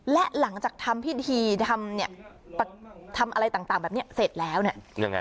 และหลังจากทำพิธีทำเนี่ยทำอะไรต่างแบบนี้เสร็จแล้วเนี่ยยังไง